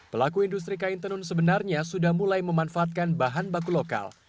pelaku industri kain tenun sebenarnya sudah mulai memanfaatkan bahan baku lokal